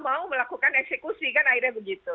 mau melakukan eksekusi kan akhirnya begitu